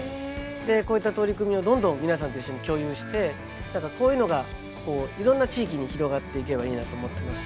でこういった取り組みをどんどん皆さんと一緒に共有して何かこういうのがいろんな地域に広がっていけばいいなと思ってます。